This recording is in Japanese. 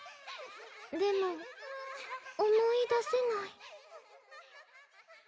でも思い出せない。